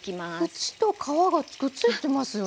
縁と皮がくっついてますよね。